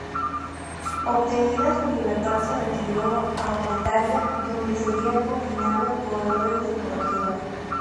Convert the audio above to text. Obtenida su libertad se retiró a Guetaria donde sería confinado por orden del corregidor.